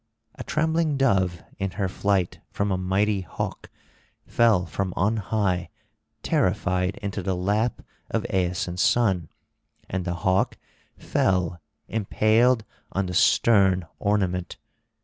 A trembling dove in her flight from a mighty hawk fell from on high, terrified, into the lap of Aeson's son, and the hawk fell impaled on the stern ornament.